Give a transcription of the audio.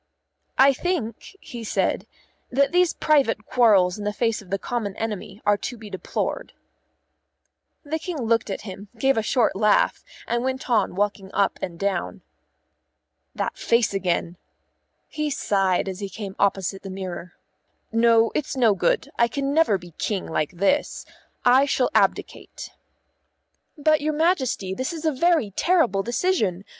"I think," he said, "that these private quarrels in the face of the common enemy are to be deplored." The King looked at him, gave a short laugh, and went on walking up and down. "That face again," he sighed as he came opposite the mirror. "No, it's no good; I can never be King like this. I shall abdicate." "But, your Majesty, this is a very terrible decision.